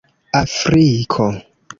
afriko